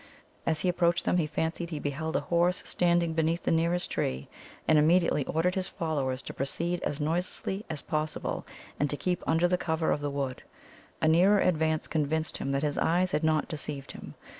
As he approached them he fancied he beheld a horse standing beneath the nearest tree, and immediately ordered his followers to proceed as noiselessly as possible, and to keep under the cover of the wood. A nearer advance convinced him that his eyes had not deceived him.